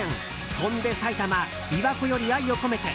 「翔んで埼玉琵琶湖より愛をこめて」。